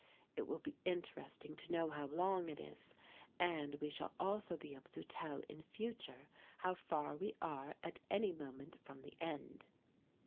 It will be interesting to know how long it is, and we shall also be able to tell in future how far we are at any moment from the end."